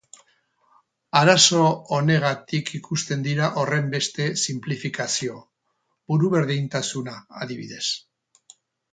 Arazo honegatik ikusten dira horrenbeste sinplifikazio, buruberdintasuna, adibidez.